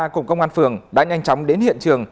cùng công an phường đã nhanh chóng đến hiện trường